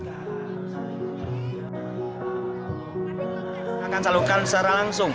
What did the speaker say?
kita akan salurkan secara langsung